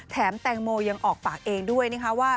แตงโมยังออกปากเองด้วยนะคะว่า